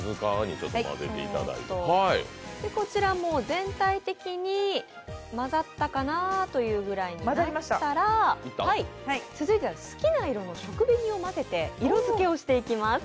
全体的に混ざったかなというぐらいになったら、続いては好きな色の食紅を混ぜて色づけをしていきます。